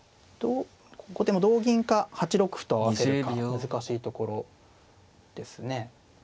後手も同銀か８六歩と合わせるか難しいところですね。